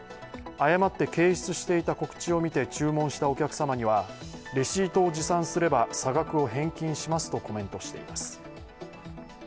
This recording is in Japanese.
誤って掲出していた告知を見て注文したお客様にはレシートを持参すれば差額を返金しますとコメントしています。